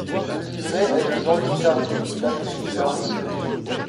Le livret est de Jean-Luc Tardieu, la musique de Henri Sauguet.